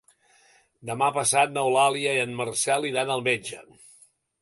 Demà passat n'Eulàlia i en Marcel iran al metge.